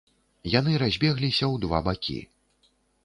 Яны разбегліся ў два бакі.